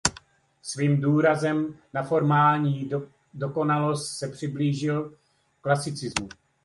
Svým důrazem na formální dokonalost se přiblížil klasicismu.